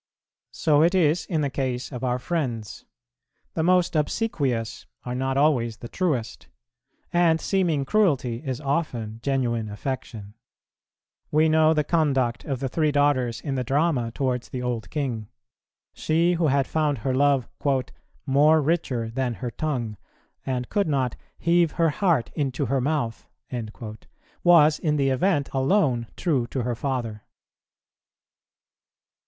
So it is in the case of our friends; the most obsequious are not always the truest, and seeming cruelty is often genuine affection. We know the conduct of the three daughters in the drama towards the old king. She who had found her love "more richer than her tongue," and could not "heave her heart into her mouth," was in the event alone true to her father.